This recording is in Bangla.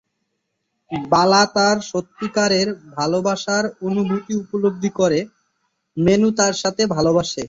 বালা তার সত্যিকারের ভালবাসার অনুভূতি উপলব্ধি করে, মেনু তার সাথে ভালবাসে।